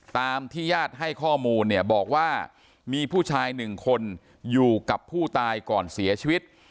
ตามที่ญาติให้ข้อมูลเนี่ยบอกว่ามีผู้ชายหนึ่งคนอยู่กับผู้ตายก่อนเสียชีวิต